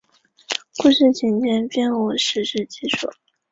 故事情节并无史实基础。